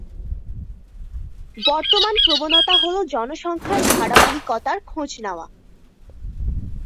বর্তমান প্রবণতা হল জনসংখ্যার ধারাবাহিকতার খোঁজ নেওয়া।